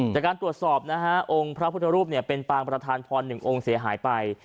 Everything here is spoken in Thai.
จากการตรวจสอบนะฮะองค์พระพุทธรูปเป็นปางประธานพร๑องค์เสียหายไป